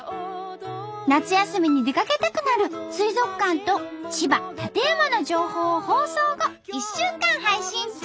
夏休みに出かけたくなる水族館と千葉館山の情報を放送後１週間配信中！